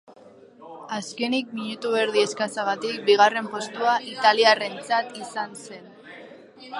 Azkenik, minutu erdi eskasagatik, bigarren postua italiarrarentzat izan zen.